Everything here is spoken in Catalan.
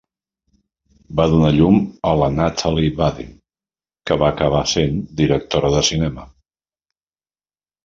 Va donar a llum la Nathalie Vadim, que va acabar sent directora de cinema.